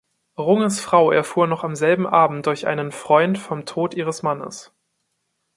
Runges Frau erfuhr noch am selben Abend durch einen Freund vom Tod ihres Mannes.